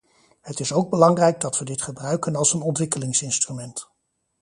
Het is ook belangrijk dat we dit gebruiken als een ontwikkelingsinstrument.